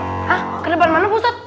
hah ke depan mana pusat